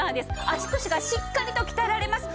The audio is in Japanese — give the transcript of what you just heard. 足腰がしっかりと鍛えられます！